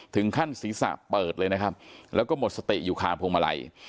ศีรษะเปิดเลยนะครับแล้วก็หมดสติอยู่คาพวงมาลัย